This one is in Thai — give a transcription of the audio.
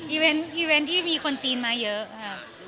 อีเวนต์ที่มีคนจีนมาเยอะค่ะ